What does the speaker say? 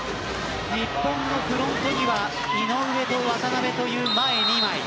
日本のフロントには井上と渡邊という前２枚。